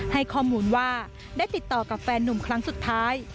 ให้ข้อมูลว่าได้ติดต่อกับแฟนนุ่มครั้งสุดท้าย